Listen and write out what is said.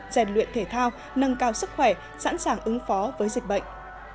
rèn luyện thể thao nâng cao sức khỏe sẵn sàng ứng phó với dịch bệnh